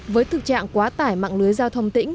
với thực trạng quá tải mạng lưới giao thông